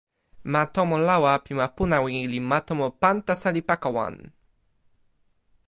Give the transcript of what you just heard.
ma tomo lawa pi ma Punawi li ma tomo Pantasalipakawan.